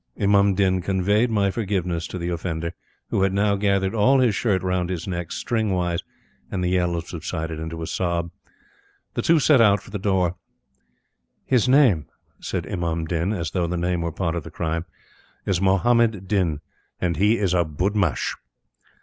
Imam Din conveyed my forgiveness to the offender, who had now gathered all his shirt round his neck, string wise, and the yell subsided into a sob. The two set off for the door. "His name," said Imam Din, as though the name were part of the crime, "is Muhammad Din, and he is a budmash."